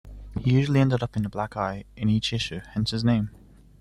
He usually ended up getting a black eye in each issue, hence his name.